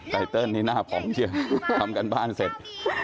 ไตเติลนี่หน้าผอมจริงทำการบ้านเสร็จ